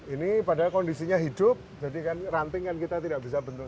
ini padahal kondisinya hidup jadi kan ranting kan kita tidak bisa bentuk